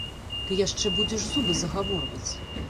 Ты яшчэ будзеш зубы загаворваць!